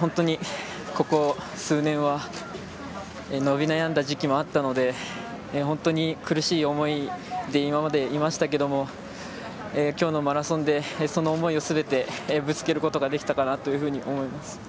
本当に、ここ数年は伸び悩んだ時期もあったので本当に苦しい思いで今までいましたけども今日のマラソンでその思いをすべてぶつけることができたかなと思います。